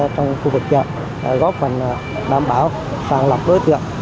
trong khu vực chợ góp phần đảm bảo sàng lọc với chợ